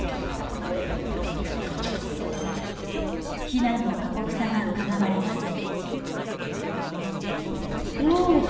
避難の過酷さがうかがわれます。